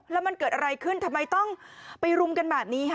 แล้วมันเกิดอะไรขึ้นทำไมต้องไปรุมกันแบบนี้ค่ะ